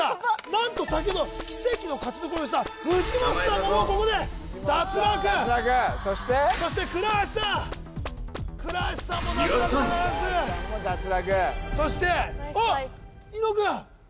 何と先ほど奇跡の勝ち残りをした藤本さんがもうここで脱落脱落そしてそして倉橋さん倉橋さんも脱落でございます倉橋さんも脱落そしてあっ伊野くん